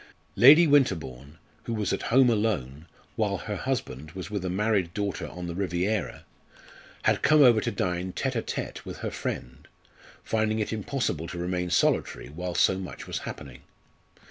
Lady Winterbourne, who was at home alone, while her husband was with a married daughter on the Riviera, had come over to dine tête à tête with her friend, finding it impossible to remain solitary while so much was happening.